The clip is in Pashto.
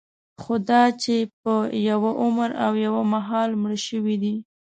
خوداچې په یوه عمر او یوه مهال مړه شوي دي.